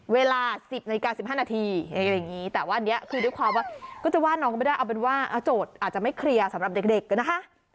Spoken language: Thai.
เวลา๑๐นาฬิกา๑๕นาทีอะไรอย่างนี้แต่ว่าอันนี้คือด้วยความว่าก็จะว่าน้องก็ไม่ได้เอาเป็นว่าโจทย์อาจจะไม่เคลียร์สำหรับเด็กนะคะ